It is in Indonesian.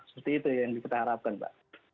seperti itu yang kita harapkan pak